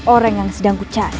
orang yang sedang ku cari